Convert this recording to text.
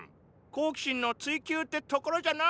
好奇心の追求ってところじゃな。